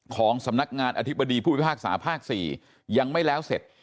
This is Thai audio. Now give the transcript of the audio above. ของสำนักงานอธิบดีผู้พิพากษาภาค๔ยังไม่แล้วเสร็จ